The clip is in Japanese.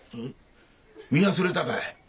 見忘れたかい？